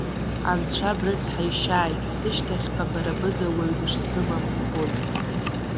Анцәа брыцҳаишьааит, сышьҭахьҟа бара быда уаҩ дышсымам ибоит.